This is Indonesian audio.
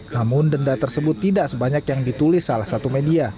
namun denda tersebut tidak sebanyak yang ditulis salah satu media